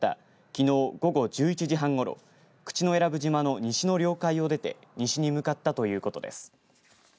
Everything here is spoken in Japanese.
きのう午後１１時半ごろ口永良部島の西の領海を出て西に向かったということです。